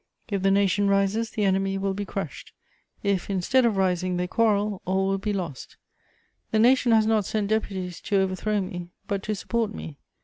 If the nation rises, the enemy will be crushed; if, instead of rising, they quarrel, all will be lost. The nation has not sent deputies to overthrow me, but to support me.